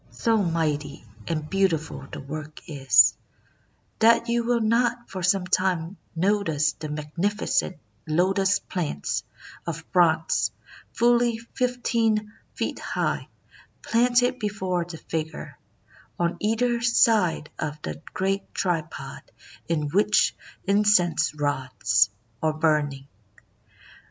''So mighty and beautiful the work is, that you will not for some time notice the magnificent lotus plants of bronze, fully fifteen feet high, planted before the figure, on either side of the great tripod in which incense rods are burning.